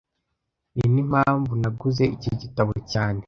Ninimpamvu naguze iki gitabo cyane